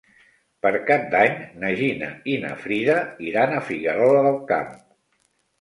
Per Cap d'Any na Gina i na Frida iran a Figuerola del Camp.